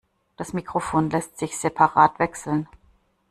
Das Mikrofon lässt sich separat wechseln.